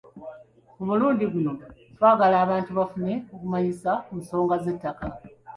Ku mulundi guno twagala abantu bafune okumanyisa ku nsonga z'ettaka.